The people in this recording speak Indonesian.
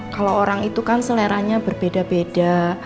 kalau orang itu kan seleranya berbeda beda